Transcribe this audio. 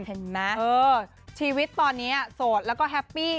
เห็นไหมชีวิตตอนนี้โสดแล้วก็แฮปปี้